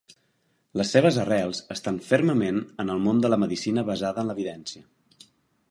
Les seves arrels estan fermament en el món de la medicina basada en l'evidència.